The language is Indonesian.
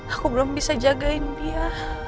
aku belum bisa jagain dia